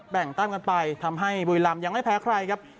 แต้มกันไปทำให้บุรีรำยังไม่แพ้ใครครับ